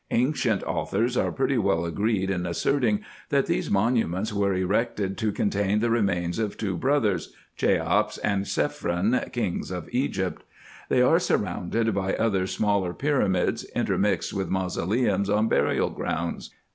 Ancient authors are pretty well agreed in asserting, that these monuments were erected to contain the remains of two brothers, Cheops and Cephren, kings of Egypt. They are surrounded by other smaller pyramids intermixed with mausoleums on burial grounds.